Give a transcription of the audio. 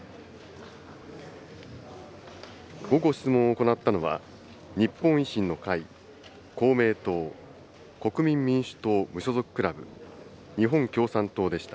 午後、質問を行ったのは、日本維新の会、公明党、国民民主党・無所属クラブ、日本共産党でした。